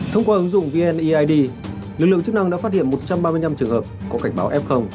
thông qua ứng dụng vneid lực lượng chức năng đã phát hiện một trăm ba mươi năm trường hợp có cảnh báo f